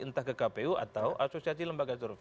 entah ke kpu atau asosiasi lembaga survei